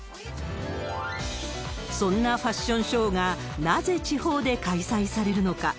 そんなファッションショーが、なぜ地方で開催されるのか。